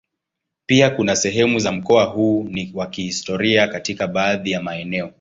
Pia kuna sehemu za mkoa huu ni wa kihistoria katika baadhi ya maeneo.